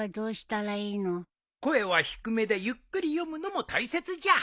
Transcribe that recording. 声は低めでゆっくり読むのも大切じゃ。